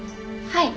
はい。